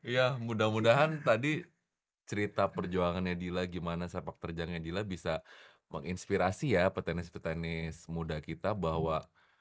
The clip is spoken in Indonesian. ya mudah mudahan tadi cerita perjuangannya dila gimana sepak terjangnya dila bisa menginspirasi ya petenis petenis muda kita bahwa